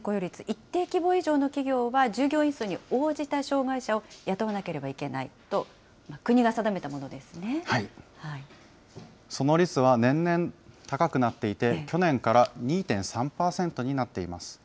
一定規模以上の企業は、従業員数に応じた障害者を雇わなければいけないと、国が定めたもその率は年々高くなっていて、去年から２．３％になっています。